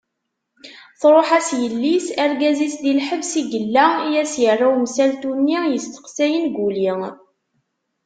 Truḥ-as yelli-s, argaz-is di lḥebs i yella, i as-yerra umsaltu-nni yesteqsayen Guli.